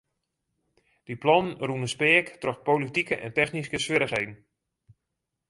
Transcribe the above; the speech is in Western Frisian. Dy plannen rûnen speak troch politike en technyske swierrichheden.